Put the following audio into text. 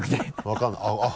分からない。